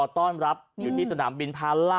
ทือป้ายเกือบรอต้อนรับยังที่สนามบิน